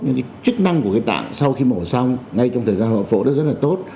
những cái chức năng của cái tặng sau khi mổ xong ngay trong thời gian hậu phẫu đó rất là tốt